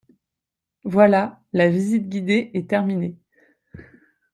Voilà, la visite guidée est terminée.